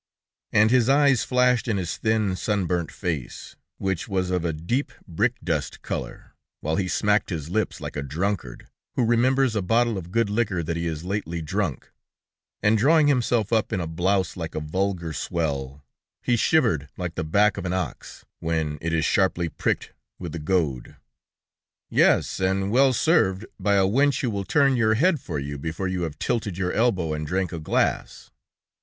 And his eyes flashed in his thin, sunburnt face, which was of a deep brickdust color, while he smacked his lips like a drunkard, who remembers a bottle of good liquor that he has lately drunk, and drawing himself up in a blouse like a vulgar swell, he shivered like the back of an ox, when it is sharply pricked with the goad. "Yes, and well served by a wench who will turn your head for you before you have tilted your elbow and drank a glass!"